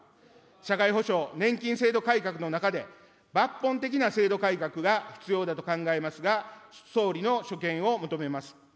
社会保障、年金制度改革の中で抜本的な制度改革が必要だと考えますが、総理の所見を求めます。